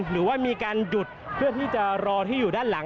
หรือว่ามีการหยุดเพื่อที่จะรอที่อยู่ด้านหลัง